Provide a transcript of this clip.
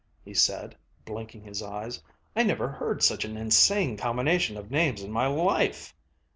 he said, blinking his eyes. "I never heard such an insane combination of names in my life."